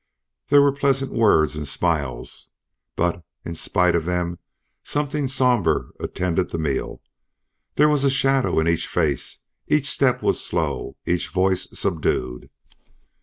There were pleasant words and smiles; but in spite of them something sombre attended the meal. There was a shadow in each face, each step was slow, each voice subdued.